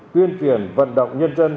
tuyên truyền vận động nhân dân